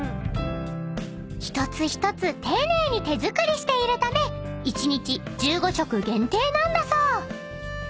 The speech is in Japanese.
［一つ一つ丁寧に手作りしているため１日１５食限定なんだそう］